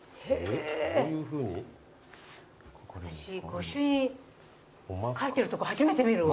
私御朱印書いてるとこ初めて見るわ。